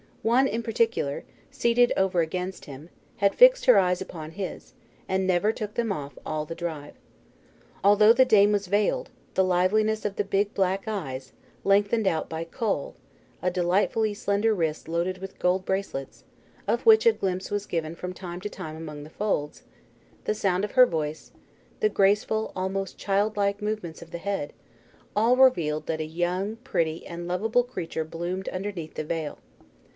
One in particular, seated over against him, had fixed her eyes upon his, and never took them off all the drive. Although the dame was veiled, the liveliness of the big black eyes, lengthened out by k'hol; a delightfully slender wrist loaded with gold bracelets, of which a glimpse was given from time to time among the folds; the sound of her voice, the graceful, almost childlike, movements of the head, all revealed that a young, pretty, and loveable creature bloomed underneath the veil.